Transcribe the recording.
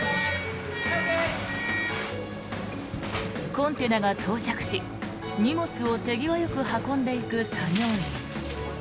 コンテナが到着し荷物を手際よく運んでいく作業員。